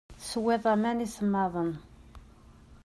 Teswiḍ aman isemmaḍen.